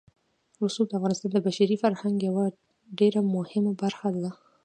رسوب د افغانستان د بشري فرهنګ یوه ډېره مهمه برخه ده.